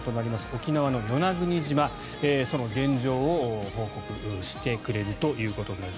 沖縄の与那国島その現状を報告してくれるということです。